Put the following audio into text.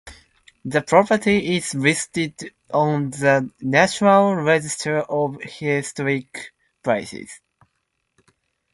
The property is listed on the National Register of Historic Places.